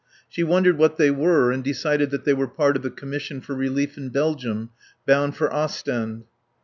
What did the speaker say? She wondered what they were and decided that they were part of the Commission for Relief in Belgium, bound for Ostend.